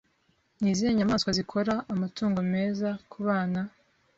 Ni izihe nyamaswa zikora amatungo meza kubana?